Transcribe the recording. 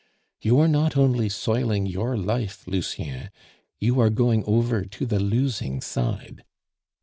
You are not only soiling your life, Lucien, you are going over to the losing side.